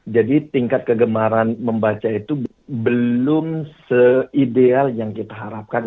jadi tingkat kegemaran membaca itu belum se ideal yang kita harapkan